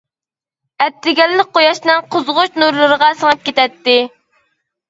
ئەتىگەنلىك قۇياشنىڭ قىزغۇچ نۇرلىرىغا سىڭىپ كېتەتتى.